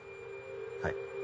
はい。